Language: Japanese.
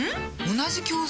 同じ教材？